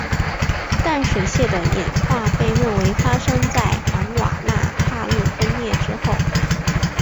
淡水蟹的演化被认为发生在冈瓦纳大陆分裂之后。